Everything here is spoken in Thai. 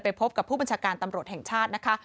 พบกับผู้บัญชาการตำรวจแห่งชาตินะคะ